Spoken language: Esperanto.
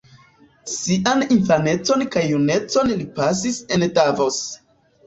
Sian infanecon kaj junecon li pasis en Davos.